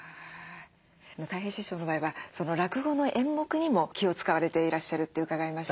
たい平師匠の場合は落語の演目にも気を遣われていらっしゃるって伺いました。